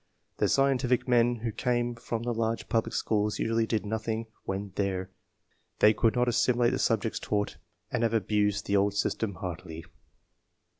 The scientific men who came from the large public schools usually did nothing when there ; they could not assimilate the subjects taught, and have abused the old system heartily.